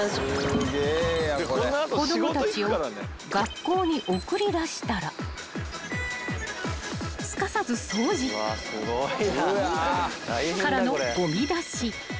［子供たちを学校に送り出したらすかさず掃除からの］